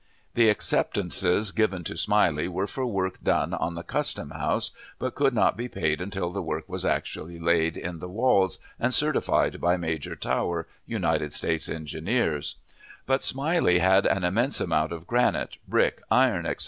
The acceptances given to Smiley were for work done on the Custom House, but could not be paid until the work was actually laid in the walls, and certified by Major Tower, United States Engineers; but Smiley had an immense amount of granite, brick, iron, etc.